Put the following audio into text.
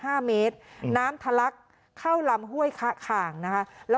สามเมตรอืมน้ำถลักข้าวลำห่วยคา่ข่างนะคะ